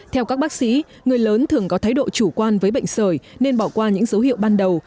theo các bác sĩ người lớn thường có thái độ chủ quan với bệnh sởi nên bỏ qua những dấu hiệu ban đầu